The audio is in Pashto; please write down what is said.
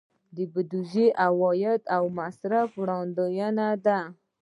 بودیجه د عوایدو او مصارفو وړاندوینه ده.